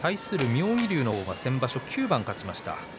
妙義龍は先場所９番勝ちました。